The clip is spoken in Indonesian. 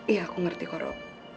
iya aku ngerti koro